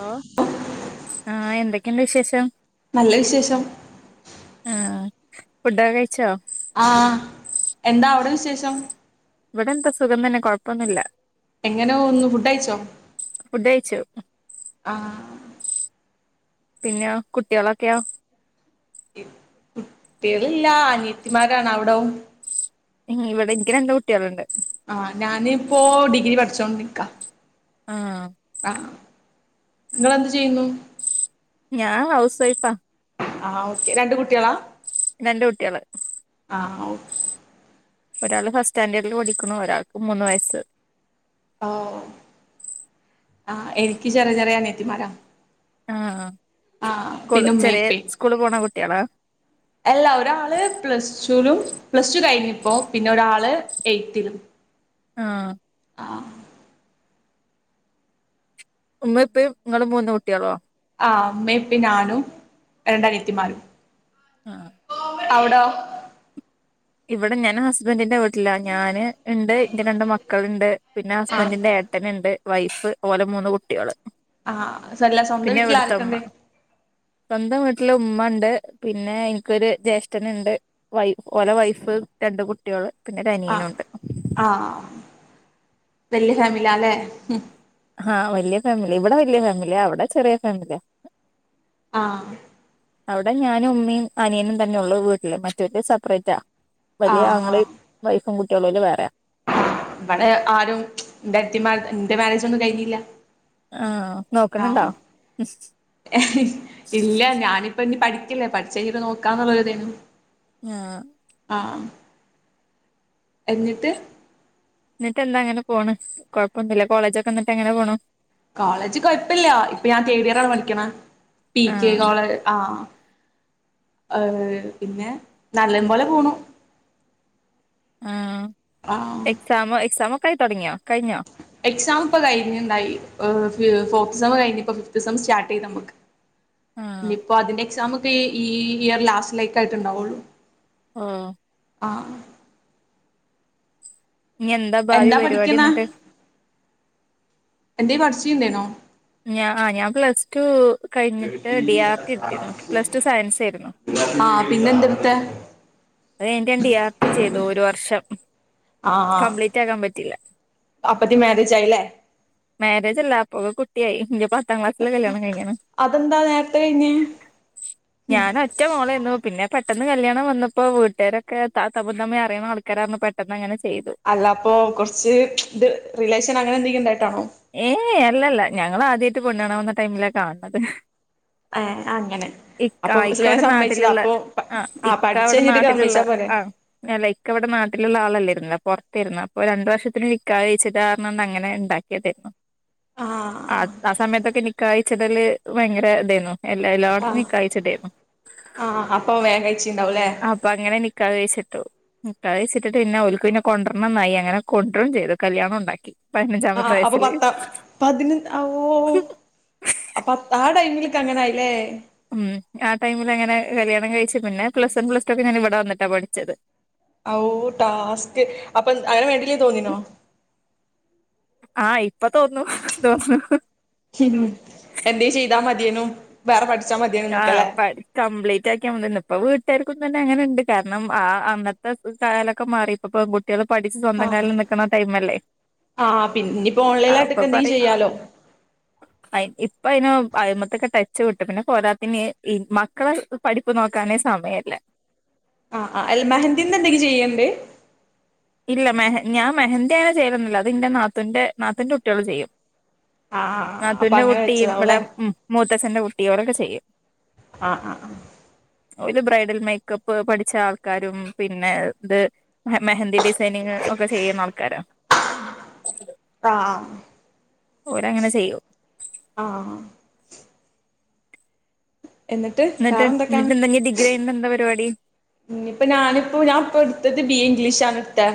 ആഹ്ആഹ് എന്തൊക്കെണ്ട് വിശേഷം നല്ല വിശേഷം ആഹ് ഫുഡൊക്കെ കഴിച്ചോ ആഹ് എന്താ അവിടെ വിശേഷം ഇവിടെന്താ സുഖം തന്നെ കോഴപ്പൊന്നുല്ല എങ്ങനെ പോവുന്നു ഫുഡ് കഴിച്ചോ ഫുഡ് കഴിച്ചു ആഹ് പിന്നെ കുട്യളൊക്കെയോ കുട്ടിക്കൾ ഇല്ല അനിയത്തിമാരാണ് അവിടോ ഏഹ് ഇവിടെ ഇനിക്ക് രണ്ട് കുട്ടിക്കളുണ്ട് ആഹ് ഞാനിപ്പോ ഡിഗ്രി പഠിച്ചോണ്ടിരിക്ക ആഹ് ആഹ് ഇങ്ങളെന്ത് ചെയ്യുന്നു ഞാൻ ഹൗസ് വൈഫ ആഹ് ഓക്കെ രണ്ട് കുട്ടിക്കള രണ്ട് കുട്ടികള് ആഹ് ഓ ഒരാൾ ഫസ്റ്റ് സ്റ്റാൻഡേർഡ്ൽ പഠിക്കുന്നു ഒരാൾക്ക് മൂന്ന് വയസ്സ് ഓ ആഹ് എനിക്ക് ചെറിയ ചെറിയ അനിയത്തിമാരാ ആഹ് ആഹ് സ്കൂൾ പിന്നെ ഉമ്മേം ചെറിയേ ഉപ്പേം സ്കൂള് പോണ കുട്യാളാ അല്ല ഒരാള് പ്ലസ് ടു ലും പ്ലസ് ടു കഴിഞ്ഞിപ്പോ പിന്നോരാള് എയ്ത്തിലും ആഹ് ആഹ് ഉമ്മയുപ്പയും ഇങ്ങള് മൂന്ന് കുട്യാളോ ആഹ് ഉമ്മയും ഉപ്പയും ഞാനും രണ്ട് അനത്തിമാരും ആഹ് [inaudible] ഇവിടെ ഞാൻ ഹസ്ബൻറിന്റെ വീട്ടില ഞൻ ഇണ്ട് ഇന്റെ രണ്ട് മക്കള്ണ്ട് പിന്നെ ആഹ് ഹസ്ബൻഡറിന്റെ ഏ ട്ടന്ണ്ട് വൈഫ് ഓലെ മൂന്ന് കുട്ടിള് ആഹ് സല്ല സ്വന്തം വീട്ടിൽ ആർക്കണ്ട് സ്വന്തം വീട്ടില് ഉമ്മ ഉണ്ട് പിന്നെ ഇന്ക്കൊരു ജ്യേഷ്ഠന്ണ്ട് വൈഫ് ഓല വൈഫ ഫ് രണ്ട് കുട്ടികള് പിന്നെ ആഹ് ഒരനിയനുണ്ട് ആഹ് വല്യ ഫാമിലി അല്ലേ ആഹ് വല്യയ ഫാമിലി ഇവിടെ വലിയ ഫാമിലിയ അവിടെ ചെറിയ ഫാമിലിയാ ആഹ് അവിടെ ഞാനും ഉമ്മിം അനിയനും തന്നെ ഉള്ളൂ വീട്ടില് മറ്റൊര് സെപ്പറേറ്റാ വലിയ ആഹ് ആങ്ങളിം വൈഫും കുട്ടികളും ഓല് വേറെയാ ഇവിടെ ആരും ഏട്ടത്തിമാർ എന്റെ മാരേജ് ഒന്നും കഴിഞ്ഞില്ല ആഹ് നോക്കുന്നുണ്ടോ ഏഹ് ഇല്ല ഞാനിപ്പോ ഇനി പഠിക്കലേ പഠിച്ചഴിഞ്ഞിട്ട് നോക്കാന്നുള്ളരുതെയ്നി ആഹ് ആഹ് എന്നിട്ട് എന്നിട്ട് എന്താ അങ്ങന പോണ് കുഴപ്പൊന്നില്ല കോളേജ് ഒക്കെ എന്നിട്ട് എങ്ങനെ പോണു കോളേജ് കോയഴപ്പല്ല്യ ഇപ്പ ഞാൻ തേർഡ് ഇയർ ആ പഠിക്കണേ പി കെ ആഹ് കോളേ ആഹ് ഏഹ് പിന്നെ നല്ലം പോലെ പോണു ആഹ് ആഹ് എക്സാമ് എക്സാമ ഒക്കെ ആയി തുടങ്ങിയോ കഴിഞ്ഞോ. എക്സാം ഇപ്പൊ കഴിഞ്ഞുണ്ടായി ഫോർത്ത് സം കഴിഞ്ഞ ഇപ്പ ഫിഫ്ത്ത് സം സ്റ്റാർട്ട് ചെയ്ത് നമ്മക്ക് [inaudible] ആഹ് ഇനിയിപ്പോ അതിന്റെ എക്സാമ് ഒക്കെ ഈ ഇയർ ലാസ്റ്റ് ലേക്ക് ആയിട്ട് ഉണ്ടാവുള്ളു. ആഹ് ആഹ് ഇഞ്ഞി എന്താ ഭാവി എന്താ പരിപാടി പഠിക്കുന്ന എന്നിട്ട് എന്ത്യ പഠിച്‌ണ്ടേനോ. ഞാ ആ ഞാൻ പ്ലസ് ടു കഴിഞ്ഞിട്ട് ഡി ആർ കെ എട്ത്തിര്ന്നു പ്ലസ് ടു സയൻസ് ഏഴ്രുന്നു. ആഹ് പിന്നെ എന്തെടുത്തെ അത് കഴിഞ്ഞ്ഡിയാർ കെ ചെയ്തു ഒരു വർഷം. ആഹ് കംപ്ലീറ്റ് ആക്കാൻ പറ്റിയില്ല ആഅപ്പത്തി മാരേജ ആയില്ലേ മാരേജ് അല്ല അപ്പൊ കുട്ട്യായി ഇന്റെ പത്താം ക്ലാസ്സിൽ കല്യാണം കഴിഞിണ് അതെന്താ നേരത്തെ കഴിഞ്ഞേ ഞാനാ ഒറ്റ മോളേന്നു പിന്നെ പെട്ടെന്ന് കല്യാണം വന്നപ്പോ വീട്ടാരൊക്കെ [unintelligible] അറിയണ ആൾക്കാര. പെട്ടന്ന് അങ്ങനെ ചെയ്തു അല്ല അപ്പൊ കുറച്ച് ഇത് റിലേഷൻ അങ്ങനെ എന്തെങ്കിലും ഉണ്ടായിട്ടാണോ ഏയ് അല്ലല്ല ഞങ്ങള് ആദ്യയിട്ട് പെണ്ണാണ്ണാൻ ടൈമിലാ കാൺണ്ണത് ഏഹ് അങ്ങനെ ഇക്ക അപ്പൊ ഇക്ക വേഗം ഇവിടെ സമ്മതിച്ചതാ നാട്ടിലുള്ള അപ്പൊ ആ ഇക്ക പഠിച്ച് ഇവിടെ കഴിഞ്ഞിട്ട് നാട്ടിലുള്ള സമ്മതിച്ചാ പോരെ ആ അല്ല ഇക്ക ഇവിടെ നാട്ടിലുള്ള ആളല്ലെർന്നു പുറത്ത് ഏർന്നു അപ്പൊ രണ്ടു വർഷത്തിന് നിക്കാഹ് കഴിച് കാരണം അങ്ങനെ ഇണ്ടാ ക്കിയതായിരുന്നു ആഹ് ആ അസമയത്തൊക്കെ നിക്കാഹ് കഴിച്ചിടൽ ഭയങ്കര ഇതായിരുന്നു എല്ലാ എല്ലായിടത്തു ആ നിക്കാഹ് കയിച്ട്ടായിരുന്നു. ആഹ് അപ്പം വേഗം കഴിച്ചീ ഇണ്ടാവുംലേ അപ്പൊ അങ്ങനെ നിക്കാഹ് കഴിച്ചിട്ടു. നിക്കാഹ് കഴിച്ചിട്ട് ട്ട് പിന്നെ ഓല്ക് പിന്നെ കൊണ്ടരണം ന്നായി അങ്ങനെ കൊണ്ടുറും ചെയ്തു കല്ല്യാന്നും ഉണ്ടാക്കി. പതിനഞ്ചാമത്തെ ആഹ് അപ്പൊ വയസ്സില് പത്താം പതിനൊന്ന് അ ഓ അപ്പൊ പ്പാ ടൈം ക്കങ്ങനയില്ലേ ഉം ആഹ് ടൈമിൽ അങ്ങന കല്യാണം കഴിച്ചു പിന്നെ പ്ലസ് വൺ പ്ലസ് ടു ഒക്കെ ഞാൻ ഇവിടെ വന്നിട്ടാ പഠിച്ചത് ഔ ടാസ്ക് അപ്പൊ അങ്ങനെ വേണ്ടല്ലേ തോന്നിനോ ആഹ് ഇപ്പ തോന്നുന്നു തോന്നുന്നു ചിനു എന്ത ചെയ്താ മതിയേനു വേറെ പഠിച്ചാ മതി ആഹ് പടി കംപ്ലീറ്റ് ആക്കിയാ വന്ന് ഇപ്പ വീട്ടുകാർക്കും തന്നെ അങ്ങനെണ്ട് കാരണം ആഹ് അന്നത്തെ കാലൊക്കെ മാറിപ്പപ്പോ- കുട്ടിയാൾ പഠിച്ചു സ്വന്തം ആഹ് കാലിൽ നക്കണ ടൈമല്ലേ ആഹ് പിന്നെപ്പോ അപ്പൊ ഓൺലൈനായിട്ടൊക്കെ എന്തെങ്കിലും പറയിം ചെയ്യാലോ അഹ് ഇപ്പ അതിനന് അയ്മത്തൊക്കെ ടച്ച് വിട്ടിക്കൻ പിന്നെ പോരാത്ത പിന്ന മക്കളെ പഠിപ്പ് നോക്കാനേ സമയല്ല ആഹ് ആഹ് അൽ മഹന്തിന്ന് എന്തെങ്കിലും ചെയ്യൽണ്ട് ഇല്ല മെഹൻ ഞാൻെഹന്ദതിയങ്ങനെ ചെയ്യലൊന്നുല്ല അത് ഇന്റെ ന്റെ നാത്തിന്റെ കുട്ടികള് ചെയ്യും ആഹ് ആഹ് അപ്പൊ നാത്തൂന്റെ അങ്ങനെ കുട്ടിയും ഇവിടെ വെച്ചതാവുംല്ലേ മൂത്തച്ഛൻ്റെ കുട്ടിയും ഓരൊക്കെ ചെയ്യും ആഹ് അഹ് ഓല് ബ്രൈഡൽ മേക്കപ്പ് പഠിച്ച ആൾക്കാരും പിന്നെ ഇ മെഹന്ദീ ഡിസൈനിങ് ഒക്കെ ചെയ്യുന്ന ആൾക്കാരാ ആഹ് ഓരങ്ങനെ ചെയ്യും ആഹ് എന്നിട്ട് ന്നിട്ട് ന്നിട്ട് വേറെന്തൊക്കാണ് എന്തെ ഞ്ഞി ഡിഗ്രി കഴിഞ്ഞിട്ട് ന്താ പരിപാടി ഇയിപ്പ ഞാനിപ്പോ ഞാൻപ്പൊ എടുത്തത് ബി എ ഇംഗ്ലീഷണ് ഇട് ത്ത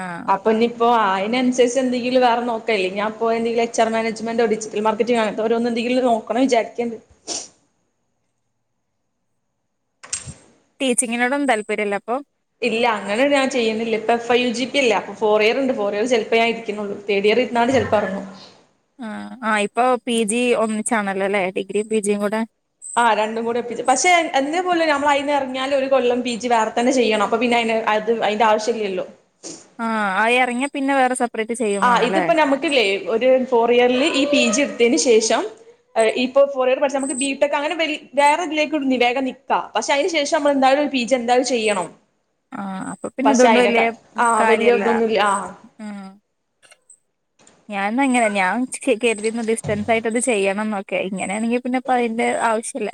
ആഹ് അപ്പ ഇനിയിപ്പോ അതിനനുസരിച്ച് എന്തെങ്കില വേറെ നോക്കല്ലേ ഞാൻപ്പോ എന്തെങ്കിലു എച് ആർ മനജ്‍മെന്റോ ഡിജി - റ്റൽ മാർക്കറ്റിങ്ങോ അവരോന്തെങ്കിലൊ നോക്കണ വിചാരിക്കണ്ട് [inaudible] ടീച്ചിങ്ങിനോടൊന്നും താല്പര്യല്ലേ അപ്പൊ? ഇല്ല അങ്ങനെ ഞാൻ ചെയ്യുന്നില്ല ഇപ്പൊ ഫൈവ് ജി പി അല്ല അപ്പൊ ഫോർ ഇയർണ്ട് ഫോർ ഇയർ ചിലപ്പോ ഞാൻ ഇരിക്കുന്നുള്ളൂ തേടിയറീരുന്നാലും ചെലപ്പാറ ങ്ങും ആഹ് ആഹ് ഇപ്പൊ പി ജി ഒന്നിച്ചാണല്ലോ അല്ലെ ഡിഗ്രിയും പി ജിയും കൂടെ ആഹ് രണ്ടും കൂടി എപ്പിച്ചു പക്ഷെ എന്തേ പോലെ നമ്മൾ അയിന്ന ഇറങ്ങിയാല ഒരു കൊല്ലം പി ജി വേറെ തന്നെ ചെയ്യണം അപ്പ പിന്നെ അ- അത് അയിന്റെ ആവശ്യല്ലല്ലോ ആഹ് അയി ഇറങ്ങിയ പിന്നെ വേറെ സ - ആഹ് ഇതിപ്പോ നമുക്കല്ലേ ഒരു ഫോർ ഇയറില് ഈ പി ജി എടുത്തതിനന് ശേഷം ഇപ്പോ ഫോർ ഇയർ പഠിച്ചാ നമുക്ക് ബിടെക് അങ്ങനെ വ വേറെ ഇതിലേക്ക് ഇടുന്ന വേഗം നിക്കാം പക്ഷെ അതിന ശേഷം നമ്മൾ എന്തായാലും ഒരു പിജി നമ്മള് എന്താലും ചെയ്യണം ആഹ് അപ്പൊ പിന്നെ പക്ഷെ ഇതൊണ്ട് വല്യാ അതിനൊക്കെ ആ വലിയ കാര്യല്ല ഇതൊന്നുമില്ല ആ ഉം ഞാൻന്നങ്ങനെ ഞാൻ കരുതിരുന്ന ഡിസ്റ്റൻസ് ആയിട്ട്ത് ചെയ്യണം എന്നൊക്കെ ഇങ്ങനെയാണെങ്കി പിന്നെ പ്പായിന്റെ ആവശ്യല്ല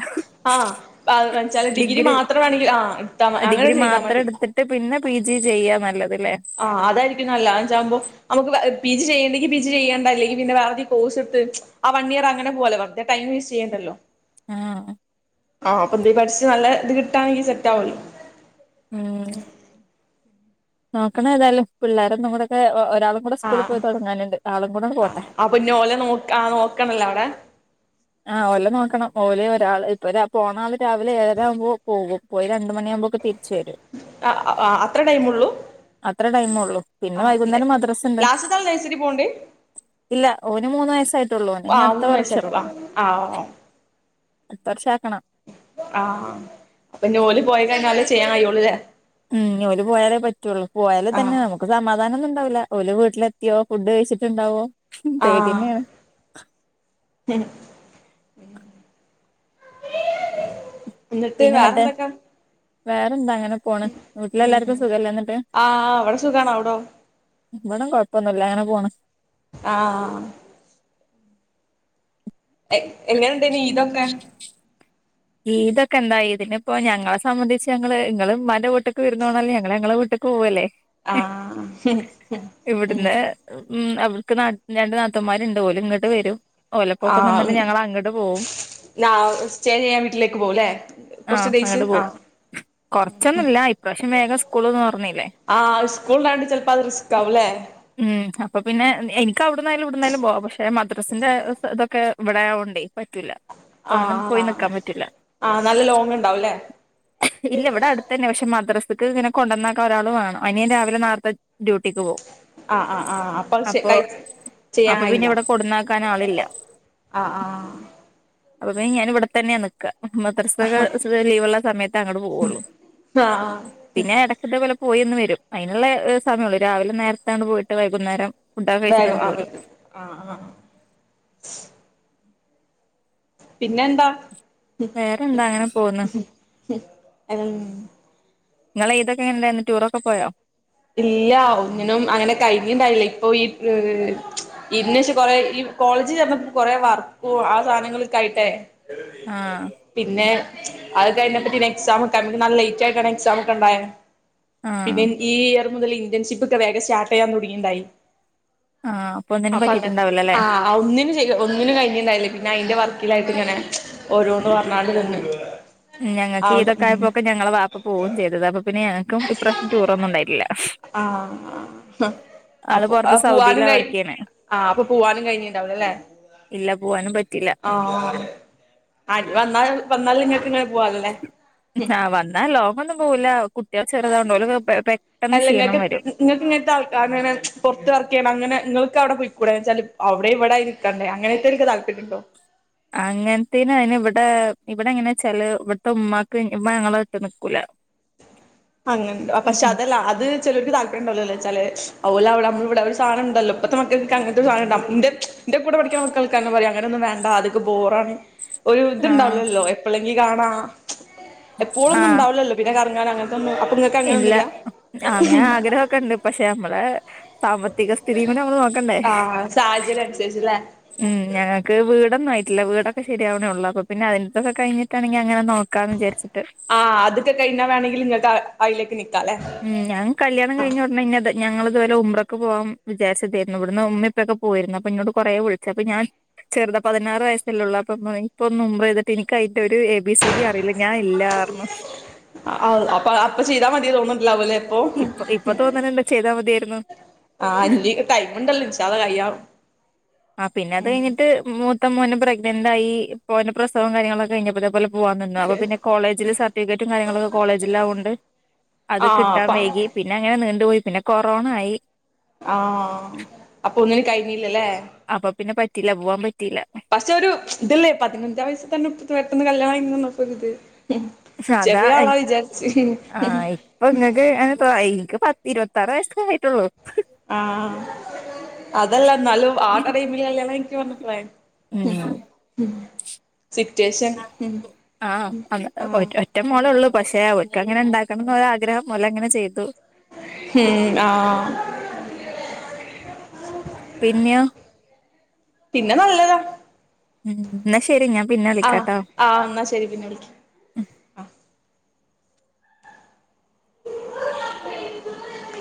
ആഹ് അഹ് വെച്ചാല് ഡിഗ്രി മാത്രമാണെങ്കിൽ ആഹ് ഇടതാ അങ്ങന ഡിഗ്രി ചെയ്താൽ മാത്രം മതി എടുത്തിട്ട് പിന്നെ പി ജി ചെയ്യാ നല്ലത്ല്ലേ ആഹ് അതായിരിക്ക നല്ല അതാവുമ്പോ നമുക്ക് പി ജി ചെയ്യേണ്ടെങ്കി പി ജി ചെയ്യേണ്ട അല്ലെങ്കിൽ പിന്നെ വെറതെ കോ്സ്ടുത്ത് ആ വൺ ഇയർ അങ്ങനെ പോവാലോ പിന്നെ ടൈം വേസ്റ്റ് ചെയ്യേണ്ടല്ലോ ആഹ് ആഹ് അപ്പ ഇ പഠിച്ചച്ച് നല്ല ഇത് കിട്ടാണെങ്കിൽ സെറ്റ് ആവല്ലോ ഉം നോക്കണ ഏതായാലും പിള്ളാര ഒന്നും കൂടെക്കെ ഒരാളും കൂടെ സ്കൂളിൽ പോയി തുടങ്ങാനുണ്ട് ആളും കൂടൊണ് പോട്ടെ ആപ്പഞ്ഞെ ഓലെ നോക്ക ആഹ് നോക്കണല്ലോ അവിടെ ആഹ് ഒല നോക്കണം ഓലെ ഒരാൾ ഇപ്പൊ പോണ ആള് രാവിലെ ഏഴര ആകുമ്പോ പോകും പോയി രണ്ട് മണിയാവുമ്പോക്ക തിരിച്ച വരും ആഹ് അത്ര ടൈമോളളു അത്ര ടൈമേ ഒള്ളു പിന്നെ വൈകുന്നേരം മദ്റസ ഉണ്ട് ലാസ്റ്റ്ത്തെ ആള് നഴ്സറി പോവ്ണ്ട് ഇല്ല ഓന് മുന്ന് വയസ്സായിട്ടുള്ളൂ ഓന് ഇനി അടുത്ത വർഷം ആഹ് അടുത്തവർഷം ആക്കണം ആഹ് അപ്പോഞ്ഞ് ഓല് പോയി കഴിഞ്ഞാലെള്ളു ചെയ്യാൻ കയ്യൊള്ളുലെ മം ഇഞ് ഓല് പോയാലെ പറ്റുള്ളൂ പോയാലേ ആ തന്നെ നമു സമാധാനൊന്നും ഉണ്ടാവില്ല ഓല് വീട്ടിലത്തിയ ഫുഡ് കഴിച്ചിട്ടുണ്ടാവോ? ആഹ് പേടിന്നെയാണ് പിന്നെ എന്നിട്ട് വേറെന്താ അങ്ങനെ പോണ് വീട്ടില് എല്ലാർക്കും സുഖല്ലെ ഇന്ന്ട്ട് ആടോ ഇവിട കുഴപ്പന്നുല്ല അങ്ങനെ പോണ് ആഹ് എങ്ങനെയുണ്ട് ഈദ് ഒക്കെ ഈദ്ഒക്കെ എന്തായിഇതിനി ഇപ്പോ ഞങ്ങളെ സംബന്ധിച്ച് ഞങ്ങള് ഇങ്ങള് ഇമാന്റെ വിട്ടക്ക് വിരുന്നോണല്ല ഞങ്ങള ഞങ്ങളെ വിട്ട പോവല്ലാ ആ [unintelligible] ഉം അവർക്ക് രണ്ട് നത്തുൻ മാർ ഉണ്ട് ഓല് ഇങ്ങോട്ട് വരും ആ ഓലപ്പൊക്കെ നിന്നിട്ട് ഞങ്ങള് അങ്ങട്ട് പോവും ഉച്ചരിന്നാല് വീട്ടിലേക്ക് പോകലേ കുറച്ചു ടെയ്സ് ആഹ് കൊറച്ചൊന്നുമില്ല ഇപ്രാവശ്യം വേഗം സ്കൂൾ തുറന്നില്ലെ ആ സ്കൂൾ ഉണ്ടായിണ്ട് ചിലപ്പോൾ അത് റിസ്ക് ആകുല്ലേ ഉം അപ്പൊ പിന്നെ എനിക്ക് അവിടുന്നായാലും ഇവിടുന്നായാലും പോവാം പക്ഷെ മദ്രാസിന്റെ ഇതൊക്കെ ഇവിടെ ആയോണ്ട് പറ്റൂല തോനെ ആഹ് പോയി ആന് നിക്കാൻ പറ്റൂല്ല ആനല്ല ലോങ്ങ്ഉണ്ടാവും ല്ലേ ഇല്ല ഇവിടെ അടുത്തന്നെ പക്ഷെ മദ്രാസക്ക് ഇങ്ങനെ കൊണ്ടുവന്നാക്ക ഒരാൾ വേണം അനിയാൻ രാവിലെ നാർത്തെ ഡ്യൂട്ടിക്ക് പോവും ആഹ് ആഹ് ആഹ് അത് അപ്പൊ കൈ ചെയ്യാൻ അപ്പൊ പിന്നെ കഴിയില്ല ഇവിടെ കൊടുന്നാക്കാൻ ആളില്ല ആഹ് ആഹ് അപ്പൊ ഞാൻ ഇവിടെത്തന്നെ നിക്കാ മദ്രസകൾ ലീവുള്ള സമയത്ത് അങ്ങോട്ട് പോവൊ ഒള്ളൂ ആഹ് ഉം പിന്നെ എടക്കൊക്കെ പോയെന്നു വരും അതിനുള്ള സമയള്ളൂ രാവിലെ നേരത്താണ് പോയിട്ട് വൈകുന്നേരം ഫുഡൊക്കെ വേഗം കഴിച്ചിട്ടാണ് ആഹ് പോരും ആഹ് ആഹ് പിന്നെ എന്താ വേറെന്താ അങ്ങനെ പോക്ന്ന് ഉം ഇങ്ങളെ ഈദ് ഒക്കെ എങ്ങനെ ഇണ്ടായിനും ടൂർ ഒക്കെ പോയോ ഇല്ല ഒന്നിനും അങ്ങനെ കഴിഞ്ഞി ഇണ്ടായില്ല ഇപ്പൊ ഈ ഇന്ന് ഇച്ച് കൊറെേ ഈ കോളേജ് ചെന്നപ്പോ കുറെ വർക്ക് ആ സാധനങ്ങളൊക്കെ ആയിട്ട് ആഹ് പിന്നെ അത് കഴിഞ്ഞിട്ട് എക്സാം ഒക്കെ നല്ല ലൈറ്റ് ആയിട്ടാണ് എക്സാം ഉണ്ടായെ ആഹ് പിന്നെ ഇയർമുതൽ ഇന്റേൺഷിപ്പ് ഒക്കെ വേഗം സ്റ്റാർട്ട് ചെയ്യാൻ തുടങ്ങിണ്ടായി ആ അപ്പൊ ഒന്നിനും പറ്റീട്ടുണ്ടാവല്ലോല്ലേ ആ ഒന്നിനും ചെയ്യ ഒന്നിനും കഴിഞ്ഞിുണ്ടായില്ലേ പിന്നെ അയിന്റെ വർക്കിലായിട്ട് ഇങ്ങനെ ഓരോന്ന് പറഞ്ഞാണ്ട് നിന്ന് ഞങ്ങൾക്ക് ഈദ് ആണ്ട് ഒക്കെ ഉം ആയാപ്പെ ഞങ്ങളെ വാപ്പ പോക്കും ചെയ്ത് അപ്പൊ പിന്നെ ഞങ്ങൾക്കും ഇപ്രാവശ്യം ടൂർ ഒന്നും ഉണ്ടായിട്ടില്ല ആള് പുറത്ത് ആപ്പോപൂവാനും സൗദിയിലാ വർക്ക് കയ്ഞ് ചെയ്യണേ അപ്പെ പുവാനും കഴിഞ്ഞിട്ടുണ്ടാവില്ല ഇല്ല പൂവാനും പറ്റില്ല ആഹ് ഇഞി വന്നാല് വന്നാലല്ലെ ഇങ്ങക്ക് ഇങ്ങന ആഹ് വന്ന ലോങ്ങൊന്നും പോവുല കുട്ട്യാള് ചെറ്താവോണ്ട് ഓലൊന്ന് പെ പെ അല്ല ഇങ്ങക്ക് ത് ഇങ്ങക്ക് ഇങ്ങൻത്താൾക്കാരെന്നേണ് പൊർത്ത് വർക്കെയ്യ്ണെ അങ്ങനെ ഇങ്ങക്ക് ഔടെ പൊയ്ക്കൂടെ ന്നച്ചാല് ഔടെ ഇവടെ ക്കണ്ടെ അങ്ങനെത്തൊര് താൽപര്യണ്ടൊ? അങ്ങൻത്തീന അയ്ന് ഇവടെ ഇവിടെ എങ്ങനെച്ചാല് ഇവിട്ത്തുമ്മാക്ക് ഉമ്മ ഞങ്ങളെ എട്ത്ത് നിക്കൂല അങ്ങനെണ്ടോ ഉം പക്ഷേ ഉം അതല്ല അത് ചെലോൽക്ക് താൽപ്പര്ണ്ടാവുലല്ലോച്ചാല് ഓലവ്ടെ ഞമ്മളവ്ടെ ഒരു സാധനംണ്ടല്ലൊ ഇപ്പത്തെ മക്കക്കോക്കെ അങ്ങൻത്തൊരു സാനണ്ട് ഇന്റെ ഇന്റെ കൂടെ പഠിക്ക്ണ മക്കൾക്ക് അങ്ങനെ പറിം അങ്ങനൊന്നും വേണ്ട അതൊക്കെ ബോറാണ് ഒര് ആഹ് ഇത്ണ്ടാവുല്ലല്ലൊ എപ്പളെങ്കി കാണാ എപ്പോഴൊന്നും ആഹ് ഇണ്ടാവില്ലല്ലൊ പിന്നെ കറങ്ങാൻ അങ്ങനെ അപ്പങ്ങക്ക് അങ്ങനൊന്നുല്ല ക്കണ്ട് പക്ഷേ ഞമ്മളേ സാമ്പത്തിക സ്ഥിതിം കൂടെ ഞമ്മള് നോക്കണ്ടെ തെജ്ലെ ഉം ഞങ്ങക് വീടൊന്നായ്റ്റില്ല വീടൊക്കെ ശരിയാവ്ണെ ഒള്ളു അപ്പോ പിന്നെ അതിന്റെ ഇതൊക്കെ കഴ്ഞ്ഞ് ക്കാണെങ്കി അങ്ങനെ നോക്കാന്ന് വിജാര്ച്ട്ട് ആഹ് അതൊക്കെ കഴിഞ്ഞ വേണങ്കി ഇങ്ങക്ക് അയ്ലേക്ക് നി ഉം ഞാൻ കല്യാണം കഴിഞ്ഞ ഉടനെ ഇന്നെ ഇത് ഞങ്ങള് ഇത് വരെ ഉംറക്ക് പോവാൻ വിജാരിച്ചെ തേന്നു ഇവട്ന്ന് ഉമ്മി ഉപ്പൊക്കെ പോയിര്ന്നു അപ്പൊ ഇന്നോട് കൊറെ വി ചപ്പൊ ഞാൻ ചെർതാ പതിനാറ് വയസ്സല്ലൊള്ളു അപ്പൊ ഇപ്പൊന്നും ഉംറയ്ത്ട്ട് ഇൻക്കയ്ന്റെ ഒര് എ ബി സി ഡി അറീല്ല ഞാ ഇല്ലാ അർഞു അഹ് അപ്പ അപ്പ ചെയ്താ മതി തോന്ന്ണ്ടാവും ലെ ഓ ഇപ്പൊ ഇപ്പൊ തോന്നുന്നുണ്ട് ചെയ്താ മതിയായിരുന്നു ആഹ് ഇഞ് ടൈമ്ണ്ടല്ലൊ ഇൻഷാ അള്ളാഹ് കയാം ആഹ് പിന്നത് കഴ്ഞ്ഞ്ട്ട് മൂത്ത മോന് പ്രഗ്നന്റായി ഇപ്പൊന്റെ പ്രസവം കാര്യങ്ങളൊക്കെ കഴിഞ്ഞപ്പൊ ഇതെ പോലെ പോവാന്നർഞു അപ്പ പിന്നെ കോളേജില് സർട്ടിഫികറ്റും കാര്യങ്ങളൊക്കെ കോളേജിലാവോണ്ട് അത് ആഹ് കിട്ടാൻ അപ്പ വൈകി പിന്നങ്ങനെ നീണ്ട്പോയി പിന്നെ കൊറോണായി ആഹ് അപ്പൊ ഒന്നിനും കഴിഞ്ഞീലലെ അപ്പ പിന്നെ പറ്റീല്ല പോവാൻ പറ്റീല പക്ഷേ ഒര് ഇതില്ലെ പതിനഞ്ചാം വയസ്സിതന്നെ പെട്ടന്ന് കല്യാണം കഴിഞന്നപ്പൊര്ത് ഉം അതാ ചെറിയ ആളാ വിജാര്ച്ച് പ്പങ്ങക്ക് അൻ ഇൻക്ക് പത്തി ഇരുപത്താറ് വയസ്സായിട്ടൊള്ളു ആഹ് അതെല്ല ഇന്നാലും ആഹ് ട്ടൈമില് കല്ല്യണം കയ്ക്ക പർഞപ്പളെ ഉം സിറ്റ്വേഷൻ ആ അന്ന് ആഹ് ഒറ്റ ഒറ്റ മോളൊള്ളു പഷെ ഓൽക്കങ്ങനെ ഇണ്ടാക്കണം ഇന്നൊരാഗ്രഹം ഓലങ്ങനെ ചെയ്തു ഹേ ആഹ് പിന്ന്യോ പിന്നെ നല്ലതാ ഉം ന്നാ ശെരി ഞാൻ പിന്നെ ആഹ് വിളിക്കാട്ടൊ ആഹ് ഇന്നാ ശെരി പിന്നെ വിളിക്കാ [unintelligible]